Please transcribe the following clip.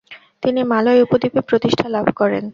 তিনি মালয় উপদ্বীপে প্রতিষ্ঠা লাভ করেন।